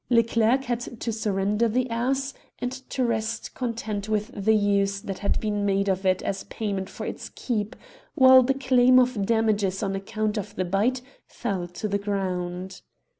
Leclerc had to surrender the ass, and to rest content with the use that had been made of it as payment for its keep, whilst the claim for damages on account of the bite fell to the ground.